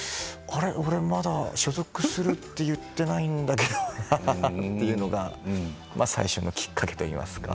俺、まだ所属するって言ってないんだけどというのが最初のきっかけといいますか。